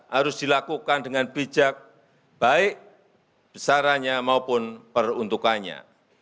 harus dilakukan dengan bijak baik besarannya maupun peruntukannya